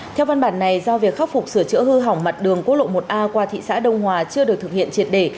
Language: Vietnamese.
theo văn bản này do việc khắc phục sửa chữa hư hỏng mặt đường quốc lộ một a qua thị xã đông hòa chưa được thực hiện triệt đề